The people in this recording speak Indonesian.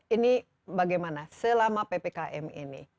ini bagaimana selama ppkm ini